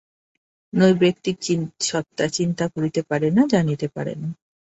নৈর্ব্যক্তিক সত্তা চিন্তা করিতে পারে না, জানিতে পারে না।